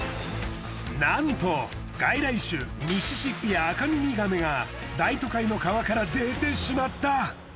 なんと外来種ミシシッピアカミミガメが大都会の川から出てしまった。